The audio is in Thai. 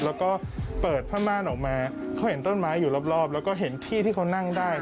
แล้วก็เปิดผ้าม่านออกมาเขาเห็นต้นไม้อยู่รอบแล้วก็เห็นที่ที่เขานั่งได้